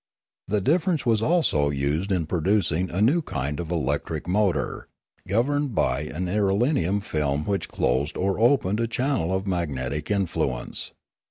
The difference was also used in producing a new kind of electric motor, governed by an irelium film which closed or opened a channel of magnetic influence.